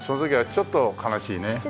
ちょっと悲しいね。